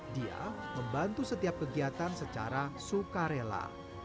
dia membantu setiap kegiatan secara suka rela